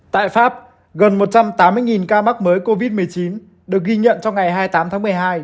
tại pháp gần một trăm tám mươi ca mắc mới covid một mươi chín được ghi nhận trong ngày hai mươi tám tháng một mươi hai